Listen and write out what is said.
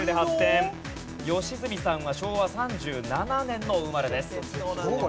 良純さんは昭和３７年のお生まれです。